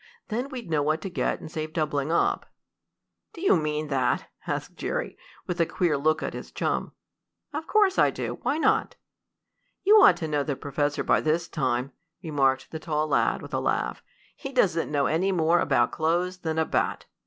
Then we'd know what to get and save doubling up." "Do you mean that?" asked Jerry, with a queer look at his chum. "Of course I do. Why not?" "You ought to know the professor by this time," remarked the tall lad with a laugh. "He doesn't know any more about clothes than a bat!"